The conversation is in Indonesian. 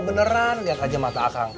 beneran lihat aja mata asag